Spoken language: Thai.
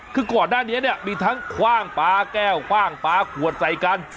คือก่อนหน้านี้เนี่ยมีทั้งคว่างปลาแก้วคว่างปลาขวดใส่กัน